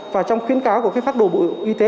và trong khuyến cáo của cái phát đồ bộ y tế